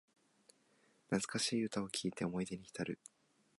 懐かしい歌を聴いて思い出にひたる